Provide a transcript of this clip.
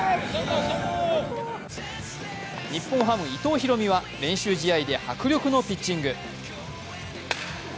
日本ハム・伊藤大海は練習試合で迫力のピッチング。